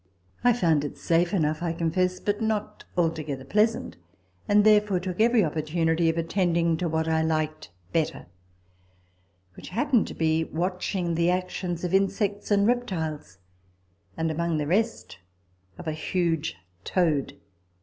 I found it safe enough, I confess, but not altogether pleasant ; and therefore took every opportunity of attending to what I liked better, which happened to be, watch ing the actions of insects and reptiles, and, among the rest, of a huge toad.